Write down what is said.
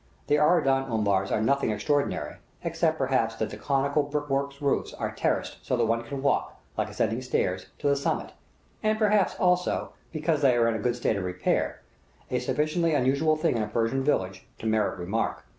The Aradan umbars are nothing extraordinary, except perhaps that the conical brick work roofs are terraced so that one can walk, like ascending stairs, to the summit; and perhaps, also, because they are in a good state of repair asufficiently unusual thing in a Persian village to merit remark.